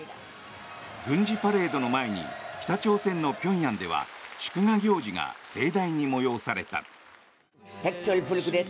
軍事パレードの前に北朝鮮の平壌では祝賀行事が盛大に催された。